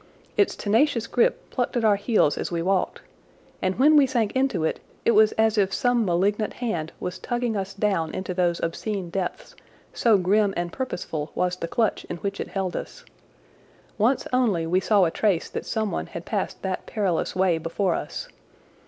Its tenacious grip plucked at our heels as we walked, and when we sank into it it was as if some malignant hand was tugging us down into those obscene depths, so grim and purposeful was the clutch in which it held us. Once only we saw a trace that someone had passed that perilous way before us.